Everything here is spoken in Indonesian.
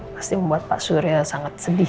pasti membuat pak surya sangat sedih